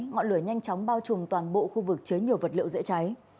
ngọn lửa nhanh chóng bao trùm toàn bộ khu vực chứa nhiều vật liệu dễ cháy